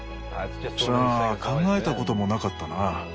さあ考えたこともなかったな。